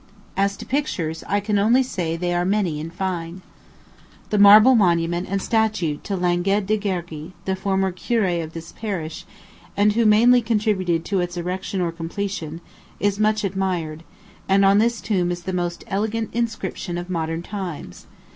As to pictures, I can only say they are many and fine. The marble monument and statue to Languet de Gergy, the former curé of this parish, and who mainly contributed to its erection or completion, is much admired, and on this tomb is the most elegant inscription of modern times.